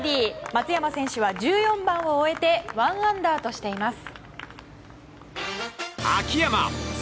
松山選手は１４番を終えて１アンダーとしています。